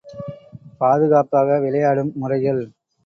பாதுகாப்பாக விளையாடும் முறைகள் ….